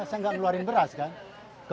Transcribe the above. saya nggak ngeluarin beras kan